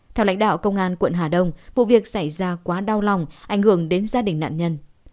theo lãnh đạo công an quận hà đông vụ việc xảy ra quá đau lòng ảnh hưởng đến gia đình nạn nhân